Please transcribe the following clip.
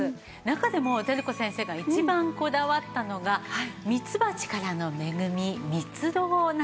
中でも照子先生が一番こだわったのがミツバチからの恵みミツロウなんですよね。